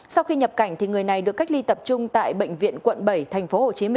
sau khi nhập cảnh người này được cách ly tập trung tại bệnh viện quận bảy tp hcm